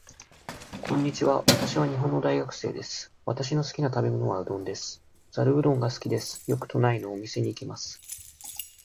こんにちは。私は日本の大学生です。私の好きな食べ物はうどんです。ざるうどんが好きです。よく都内のお店に行きます。